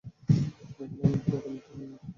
তিনিই হলেন, উপরে বর্ণিত খানুখ।